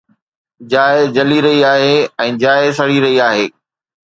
جاءِ جلي رهي آهي ۽ جاءِ سڙي رهي آهي